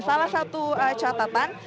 salah satu catatan